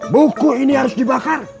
buku ini harus dibakar